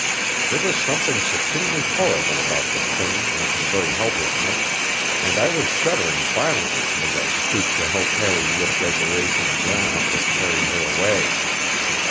There was something supremely horrible about the thing in its very helplessness, and I was shuddering violently as I stooped to help Harry lift Desiree from the ground and carry her away.